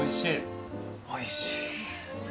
おいしい。